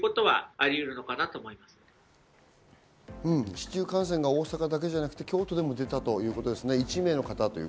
市中感染が大阪だけじゃなくて京都でも出たということですね、１名の方。